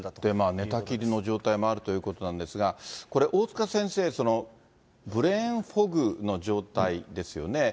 寝たきりの状態もあるということなんですが、これ、大塚先生、ブレーンフォグの状態ですよね。